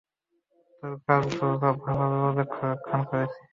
তোর কাজগুলো খুব ভালোভাবে পর্যবেক্ষণ করেছি।